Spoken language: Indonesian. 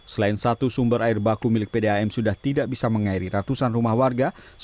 selain satu sumber air baku milik pdam sudah tidak bisa mengairi ratusan rumah warga